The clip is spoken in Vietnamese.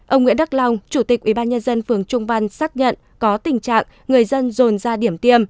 ông nguyễn đắc long chủ tịch ubnd phường trung văn xác nhận có tình trạng người dân rồn ra điểm tiêm